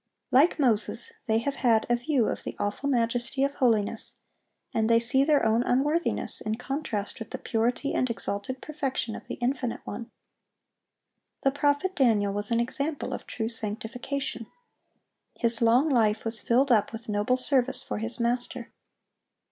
Like Moses, they have had a view of the awful majesty of holiness, and they see their own unworthiness in contrast with the purity and exalted perfection of the Infinite One. The prophet Daniel was an example of true sanctification. His long life was filled up with noble service for his Master.